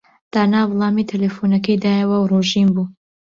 دانا وەڵامی تەلەفۆنەکەی دایەوە و ڕۆژین بوو.